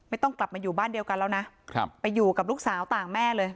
ไม่ต้องกลับมาอยู่บ้านเดียวกันแล้วนะไปอยู่กับลูกสาวต่างแม่เลย